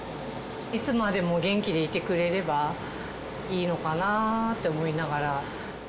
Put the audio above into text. いつまでも元気でいてくれればいいのかなって思いながら。